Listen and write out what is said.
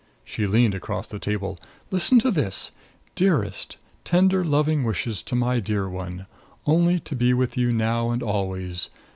She leaned across the table. "Listen to this: 'Dearest: Tender loving wishes to my dear one. Only to be with you now and always.